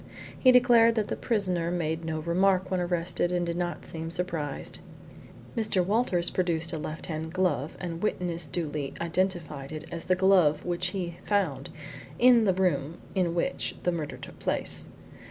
He declared that the prisoner made no remark when arrested and did not seem surprised. Mr. Walters produced a left hand glove and witness duly identified it as the glove which he found in the room in which the murder took place.